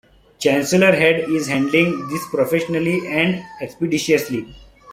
Chancellor Head is handling this professionally and expeditiously.